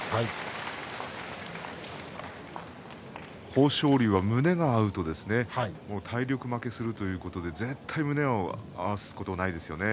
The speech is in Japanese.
豊昇龍は胸が合うと体力負けするということで絶対に胸を合わせることないですよね。